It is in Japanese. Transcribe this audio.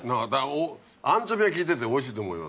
アンチョビが効いてておいしいと思いますよ。